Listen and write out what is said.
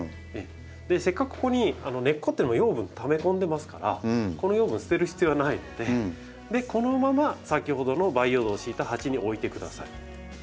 せっかくここに根っこっていうのも養分ため込んでますからこの養分捨てる必要はないのでこのままさきほどの培養土を敷いた鉢に置いてください。